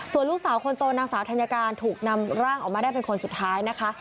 ส่วนลูกสาวคนโตนางสาวธัญการถูกนำร่างออกมาได้เป็นคนสุดท้ายนะคะ